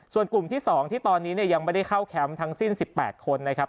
ส่วนกลุ่มที่๒ที่ตอนนี้ยังไม่ได้เข้าแคมป์ทั้งสิ้น๑๘คนนะครับ